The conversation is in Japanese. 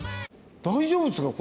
大丈夫ですか？